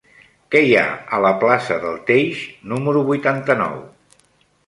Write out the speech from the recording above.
Què hi ha a la plaça del Teix número vuitanta-nou?